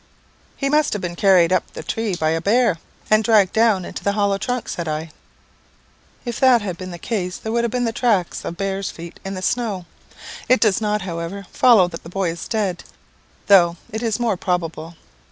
"He must have been carried up the tree by a bear, and dragged down into the hollow trunk," said I. "If that had been the case, there would have been the track of the bear's feet in the snow. It does not, however, follow that the boy is dead, though it is more than probable.